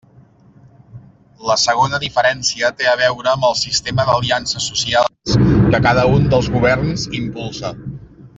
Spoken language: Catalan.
La segona diferència té a veure amb el sistema d'aliances socials que cada un dels governs impulsa.